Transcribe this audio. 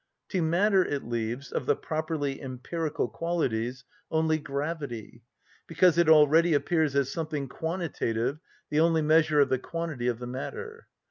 To matter it leaves, of the properly empirical qualities, only gravity, because it already appears as something quantitative, the only measure of the quantity of the matter.